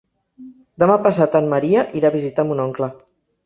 Demà passat en Maria irà a visitar mon oncle.